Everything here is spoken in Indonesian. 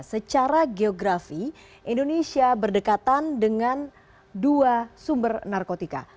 secara geografi indonesia berdekatan dengan dua sumber narkotika